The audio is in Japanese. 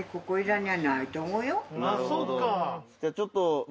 じゃあちょっと」